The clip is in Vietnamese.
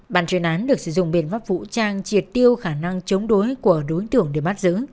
bàn chuyên án được sử dụng biện pháp vũ trang triệt tiêu khả năng chống đối của đối tượng để bắt giữ